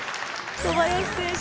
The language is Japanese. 小林選手